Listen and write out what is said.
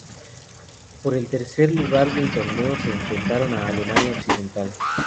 Por el tercer lugar del torneo, se enfrentaron a Alemania Occidental.